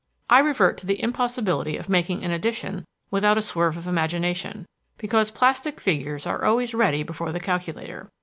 "I revert to the impossibility of making an addition without a swerve of imagination, because plastic figures are always ready before the calculator.